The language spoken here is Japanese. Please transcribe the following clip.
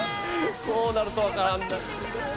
こうなるとわからんな。